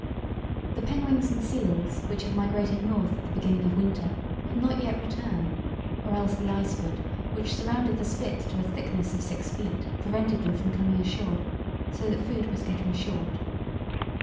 The penguins and seals which had migrated north at the beginning of winter had not yet returned, or else the ice foot, which surrounded the spit to a thickness of six feet, prevented them from coming ashore, so that food was getting short.